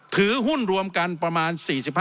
ถือหุ้นรวมกันประมาณ๔๕